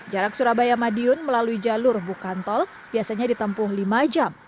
jarak surabaya madiun melalui jalur bukan tol biasanya ditempuh lima jam